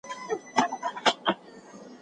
دولت د تولید کچه لوړوي.